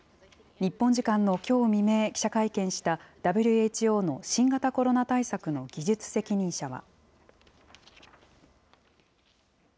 日本時間のきょう未明、記者会見したＷＨＯの新型コロナ対策の技術責任者は。